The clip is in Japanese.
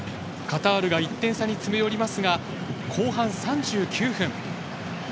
カタールが１点差に詰め寄りますが後半３９分。